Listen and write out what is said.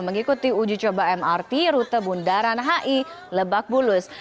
mengikuti uji coba mrt rute bundaran hi lebak bulus